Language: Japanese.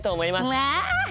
うわ！